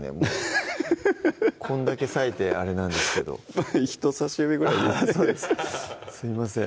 ハハハハこんだけ裂いてあれなんですけど人さし指ぐらいですねすいません